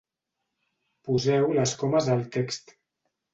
Poseu les comes al text.